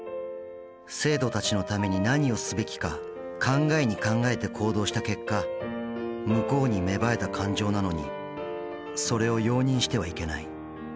生徒たちのために何をすべきか考えに考えて行動した結果向こうに芽生えた感情なのにそれを容認してはいけない。